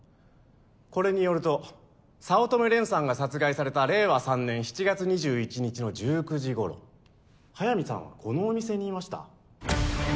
これによると早乙女蓮さんが殺害された令和３年７月２１日の１９時頃速水さんはこのお店にいました。